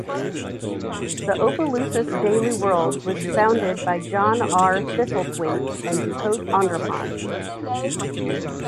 The Opelousas Daily World was founded by John R. Thistlethwaite and Ducote Andrepont.